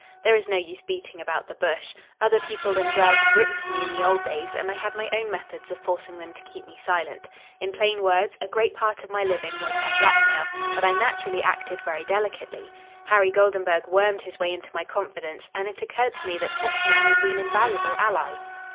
There is no use beating about the bush. Other people than Grell had written to me in the old days, and I had my own methods of forcing them to keep me silent. In plain words, a great part of my living was by blackmail, but I naturally acted very delicately. Harry Goldenburg wormed his way into my confidence, and it occurred to me that such a man would be an invaluable ally.